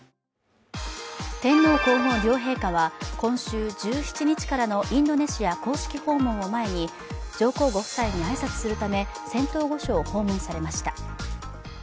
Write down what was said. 天皇皇后両陛下は今週１７日からのインドネシア公式訪問を前に上皇ご夫妻に挨拶するため仙洞御所を訪問されました。